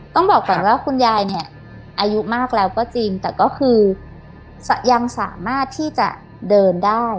ต้องบอกก่อนว่าคุณยายเนี่ยอายุมากแล้วก็จริงแต่ก็คือยังสามารถที่จะเดินได้